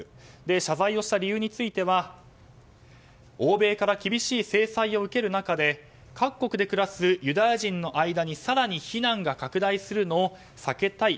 謝罪をした理由については欧米から厳しい制裁を受ける中で、各国で暮らすユダヤ人の間に更に非難が拡大するのを避けたい。